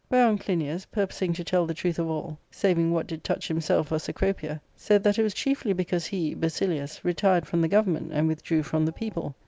Whereon Clinias, pur posing to tell the truth of all, saving what did touch himself or Cecropia, said that it was chiefly because he (Basilius) retired from the government and withdrew from the people.